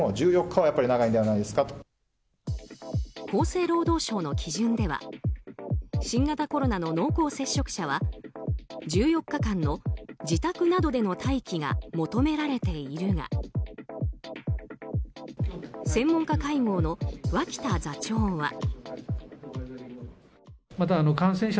厚生労働省の基準では新型コロナの濃厚接触者は１４日間の自宅などでの待機が求められているが専門家会合の脇田座長は。